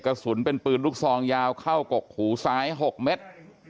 กระสุนเป็นปืนลูกซองยาวเข้ากกหูซ้าย๖เมตร